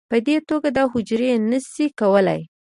په دې توګه دا حجرې نه شي کولی